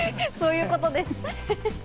そういうことです。